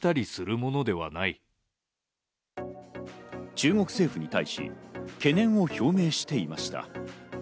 中国政府に対し、懸念を表明していました。